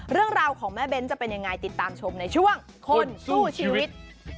เรื่องราวของแม่เบ้นจะเป็นยังไงติดตามชมในช่วงคนสู้ชีวิต